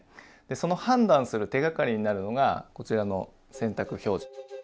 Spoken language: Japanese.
その判断する手がかりになるのがこちらの洗濯表示。